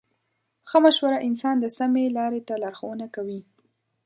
ښه مشوره انسان د سمې لارې ته لارښوونه کوي.